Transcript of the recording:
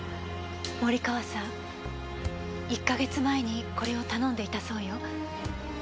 森川さん一か月前にこれを頼んでいたそうよ。